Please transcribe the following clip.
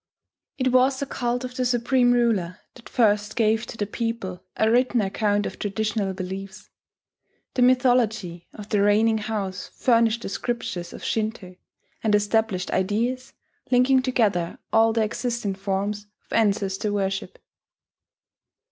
It was the cult of the supreme ruler that first gave to the people a written account of traditional beliefs. The mythology of the reigning house furnished the scriptures of Shinto, and established ideas linking together all the existing forms of ancestor worship.